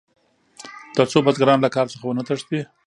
تر څو بزګران له کار څخه ونه تښتي.